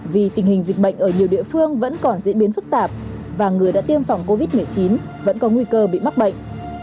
vì tình hình dịch bệnh ở nhiều địa phương vẫn còn diễn biến phức tạp và người đã tiêm phòng covid một mươi chín vẫn có nguy cơ bị mắc bệnh